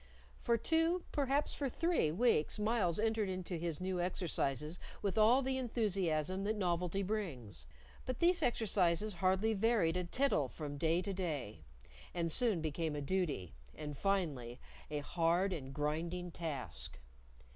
For two, perhaps for three, weeks Myles entered into his new exercises with all the enthusiasm that novelty brings; but these exercises hardly varied a tittle from day to day, and soon became a duty, and finally a hard and grinding task.